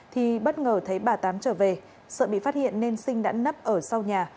thì bất ngờ thấy bà tám trở về sợ bị phát hiện nên sinh đã nấp ở sau nhà